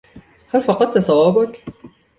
هل فقدت صوابَك؟